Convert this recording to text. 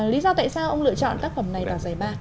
lý do tại sao ông lựa chọn tác phẩm này vào giải ba